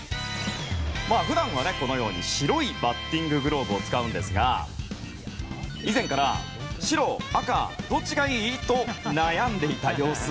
普段は、このように白いバッティンググローブを使うんですが以前から、白、赤どっちがいい？と悩んでいた様子。